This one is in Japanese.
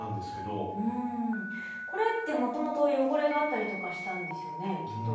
これってもともと汚れがあったりとかしたんですよねきっと。